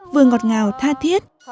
vừa ngọt ngào tha thiết